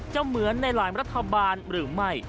เหมือนในหลายรัฐบาลหรือไม่